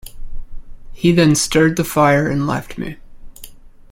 He then stirred the fire and left me.